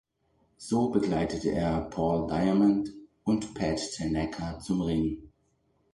So begleitete er Paul Diamond und Pat Tanaka zum Ring.